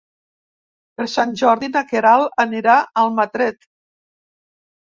Per Sant Jordi na Queralt anirà a Almatret.